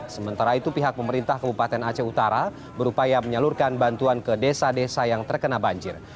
sementara itu pihak pemerintah kabupaten aceh utara berupaya menyalurkan bantuan ke desa desa yang terkena banjir